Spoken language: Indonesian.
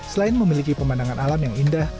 selain memiliki pemandangan alam yang indah